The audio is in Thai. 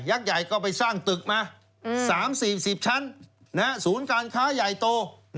ใหญ่ก็ไปสร้างตึกมา๓๔๐ชั้นศูนย์การค้าใหญ่โต